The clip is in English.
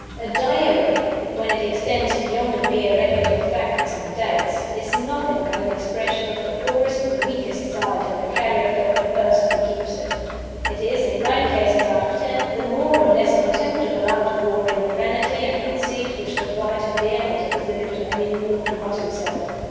A Diary (when it extends beyond a bare record of facts and dates) is nothing but an expression of the poorest and weakest side in the character of the person who keeps it. It is, in nine cases out of ten, the more or less contemptible outpouring of vanity and conceit which the writer dare not exhibit to any mortal but himself.